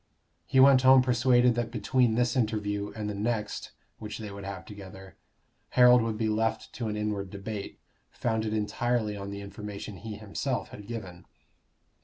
He went home persuaded that between this interview and the next which they would have together, Harold would be left to an inward debate, founded entirely on the information he himself had given.